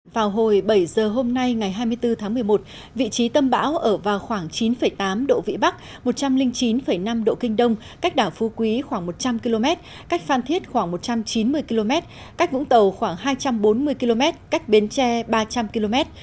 vào hồi bảy giờ hôm nay ngày hai mươi bốn tháng một mươi một vị trí tâm bão ở vào khoảng chín tám độ vĩ bắc một trăm linh chín năm độ kinh đông cách đảo phu quý khoảng một trăm linh km cách phan thiết khoảng một trăm chín mươi km cách vũng tàu khoảng hai trăm bốn mươi km cách bến tre ba trăm linh km